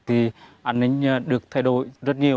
thì an ninh được thay đổi rất nhiều